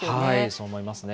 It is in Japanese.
そう思いますね。